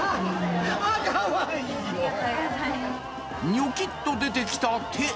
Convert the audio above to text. ニョキッと出てきた手。